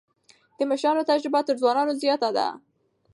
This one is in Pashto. د مشرانو تجربه تر ځوانانو زياته ده.